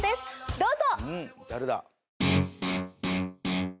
どうぞ。